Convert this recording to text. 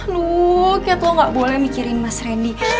lu kat lo gak boleh mikirin mas rendy